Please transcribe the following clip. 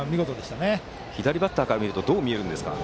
左バッターからはどう見えるんですか？